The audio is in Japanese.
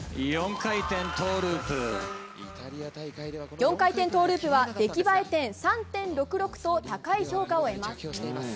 ４回転トウループは出来栄え点３．６６と高い評価を得ます。